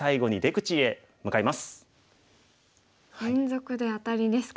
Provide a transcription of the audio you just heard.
連続でアタリですか。